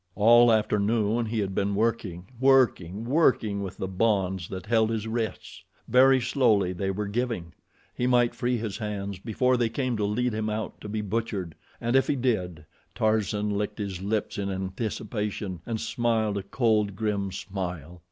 All afternoon he had been working, working, working with the bonds that held his wrists. Very slowly they were giving. He might free his hands before they came to lead him out to be butchered, and if he did Tarzan licked his lips in anticipation, and smiled a cold, grim smile.